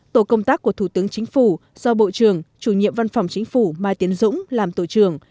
tổ công tác của thủ tướng chính phủ do bộ trưởng chủ nhiệm văn phòng chính phủ mai tiến dũng làm tổ trưởng